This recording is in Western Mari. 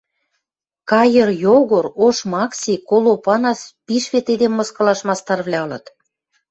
Кайыр Йогор, Ош Макси, Кол Опанас пиш вет эдем мыскылаш мастарвлӓ ылыт.